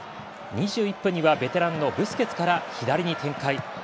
２１分にはベテランのブスケツから左に展開。